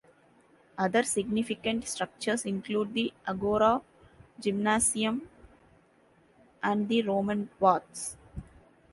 Other significant structures include the agora, gymnasion and the Roman baths.